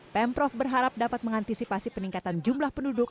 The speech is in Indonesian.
pemprov berharap dapat mengantisipasi peningkatan jumlah penduduk